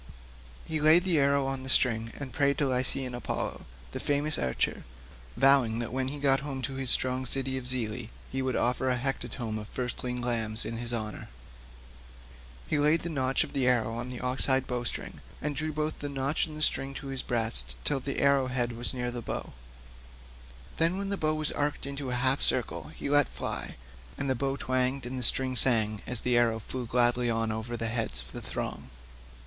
He laid the arrow on the string and prayed to Lycian Apollo, the famous archer, vowing that when he got home to his strong city of Zelea he would offer a hecatomb of firstling lambs in his honour. He laid the notch of the arrow on the ox hide bowstring, and drew both notch and string to his breast till the arrow head was near the bow; then when the bow was arched into a half circle he let fly, and the bow twanged, and the string sang as the arrow flew gladly on over the heads of the throng.